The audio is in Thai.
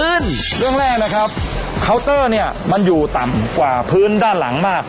เรื่องแรกนะครับเคาน์เตอร์เนี่ยมันอยู่ต่ำกว่าพื้นด้านหลังมาก